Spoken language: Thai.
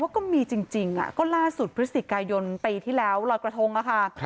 ก็มีจริงก็ล่าสุดพฤศจิกายนปีที่แล้วลอยกระทงค่ะ